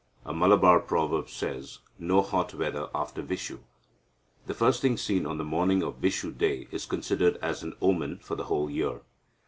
A Malabar proverb says 'No hot weather after Vishu.' The first thing seen on the morning of Vishu day is considered as an omen for the whole year.